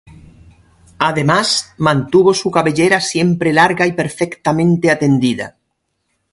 Además, mantuvo su cabellera siempre larga y perfectamente atendida.